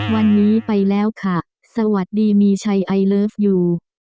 วันนี้ไปแล้วค่ะสวัสดีมีชัยไอเลิฟยู